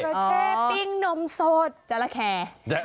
จาระแคร์ปิ้งนมสดจาระแคร์